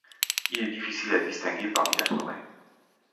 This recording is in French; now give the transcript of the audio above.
Il est difficile à distinguer parmi la forêt.